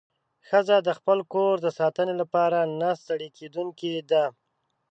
ښځه د خپل کور د ساتنې لپاره نه ستړې کېدونکې ده.